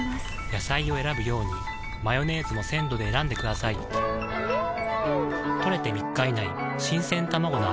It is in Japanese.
野菜を選ぶようにマヨネーズも鮮度で選んでくださいん！